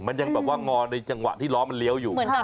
มันยังแบบว่างอในจังหวะที่ล้อมันเลี้ยวอยู่